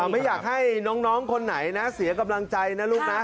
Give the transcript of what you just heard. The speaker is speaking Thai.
ไม่อยากให้น้องคนไหนนะเสียกำลังใจนะลูกนะ